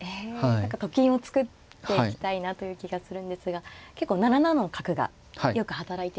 何かと金を作っていきたいなという気がするんですが結構７七の角がよく働いているんですね。